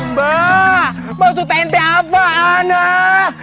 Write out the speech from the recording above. mbak mau sutente apa anak